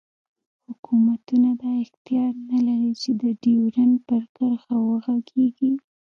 حوکمتونه دا اختیار نه لری چی د ډیورنډ پر کرښه وغږیږی